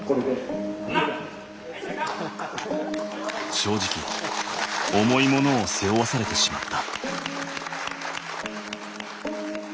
正直重いものを背負わされてしまった。